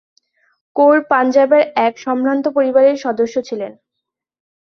কৌর পাঞ্জাবের এক সম্ভ্রান্ত পরিবারের সদস্য ছিলেন।